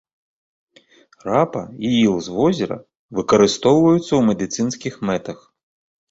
Рапа і іл з возера выкарыстоўваюцца ў медыцынскіх мэтах.